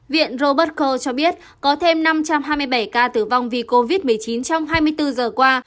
viện robertco cho biết có thêm năm trăm hai mươi bảy ca tử vong vì covid một mươi chín trong hai mươi bốn giờ qua